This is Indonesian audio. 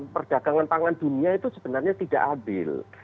perdagangan pangan dunia itu sebenarnya tidak adil